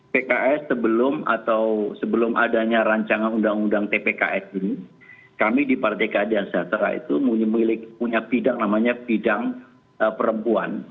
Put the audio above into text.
pks sebelum atau sebelum adanya rancangan undang undang tpks ini kami di partai keadilan sejahtera itu punya bidang namanya bidang perempuan